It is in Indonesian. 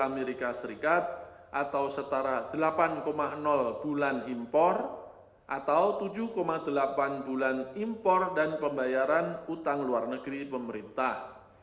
amerika serikat atau setara delapan bulan impor atau tujuh delapan bulan impor dan pembayaran utang luar negeri pemerintah